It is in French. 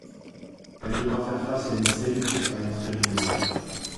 Elle devra faire face à une série d'expériences périlleuses.